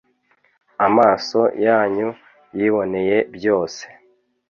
Amaso yanyu yiboneye byose